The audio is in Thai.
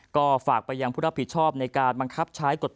ก็ฝากไปยังผู้รับผิดชอบในการบังคับใช้กฎหมาย